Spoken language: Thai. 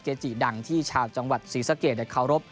จิดังที่ชาวจังหวัดศรีสะเกดเคารพ